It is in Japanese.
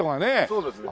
そうですね。